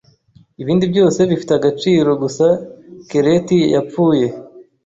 Ibindi byose bifite agaciro gusa keleti yapfuye